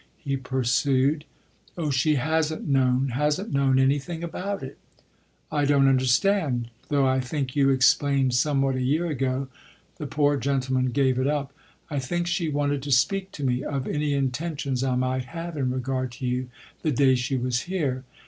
he pursued. "Oh she hasn't known hasn't known anything about it." "I don't understand; though I think you explained somewhat a year ago" the poor gentleman gave it up. "I think she wanted to speak to me of any intentions I might have in regard to you the day she was here.